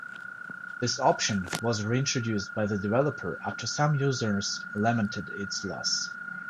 This option was reintroduced by the developer after some users lamented its loss.